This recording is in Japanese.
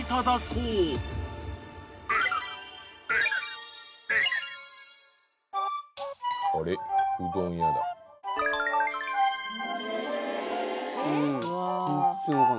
うどん屋だえっ